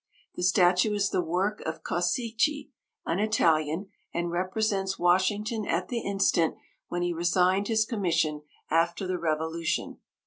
The statue is the work of Causici, an Italian, and represents Washington at the instant when he resigned his commission after the Revolution.